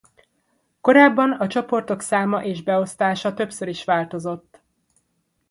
Korábban a csoportok száma és beosztása többször is változott.